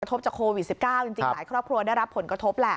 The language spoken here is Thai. กระทบจากโควิด๑๙หลายครอบครัวได้รับผลกระทบแหละ